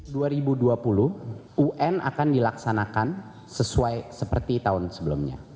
tahun dua ribu dua puluh un akan dilaksanakan sesuai seperti tahun sebelumnya